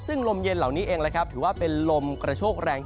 ซึ่งลมเย็นเหล่านี้เองถือว่าเป็นลมกระโชกแรง